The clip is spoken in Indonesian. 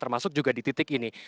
termasuk juga di titik ini